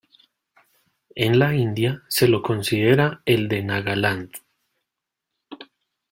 En la India se lo considera el de Nagaland.